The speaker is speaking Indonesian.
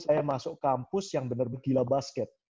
saya masuk kampus yang benar benar gila basket